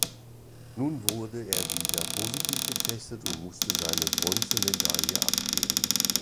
Nun wurde er wieder positiv getestet und musste seine Bronzemedaille abgeben.